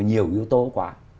nhiều yếu tố quá